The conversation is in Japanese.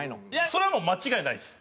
それはもう間違いないです。